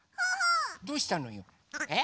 どうしたのよ？え？